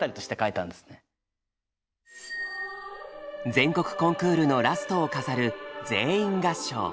全国コンクールのラストを飾る全員合唱。